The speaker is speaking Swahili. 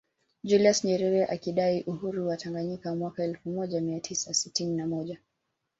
Julius Nyerere akidai uhuru wa Tanganyika mwaka elfu moja mia tisa sitini na moja